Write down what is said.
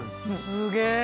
すげえ！